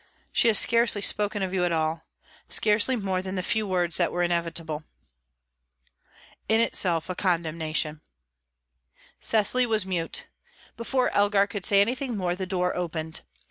"She has scarcely spoken of you at all scarcely more than the few words that were inevitable." "In itself a condemnation." Cecily was mute. Before Elgar could say anything more, the door opened.